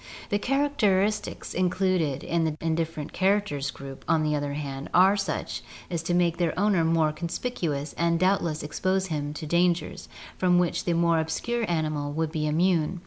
The characteristics included in the "indifferent charac ters" group, on the other hand, are such as make their owner more conspicuous and doubtless expose him to dangers from which the more obscure animal would be immune.